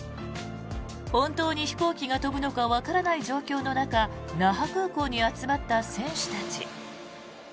本当に飛行機が飛ぶのかわからない状況の中那覇空港に集まった選手たち。